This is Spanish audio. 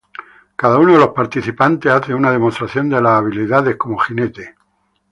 Cada uno de los participantes, hace una demostración de las habilidades como jinete.